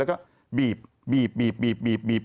แล้วก็บีบบีบบีบ